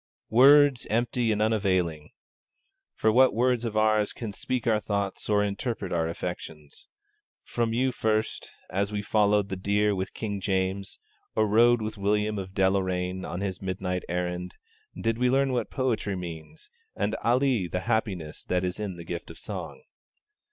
Words, empty and unavailing for what words of ours can speak our thoughts or interpret our affections! From you first, as we followed the deer with King James, or rode with William of Deloraine on his midnight errand, did we learn what Poetry means and ali the happiness that is in the gift of song.